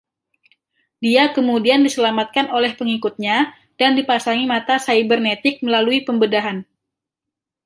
Dia kemudian diselamatkan oleh pengikutnya dan dipasangi mata sybernetik melalui pembedahan.